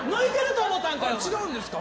違うんですか？